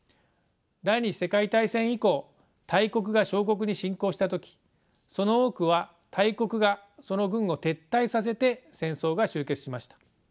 第２次世界大戦以降大国が小国に侵攻した時その多くは大国がその軍を撤退させて戦争が終結しました。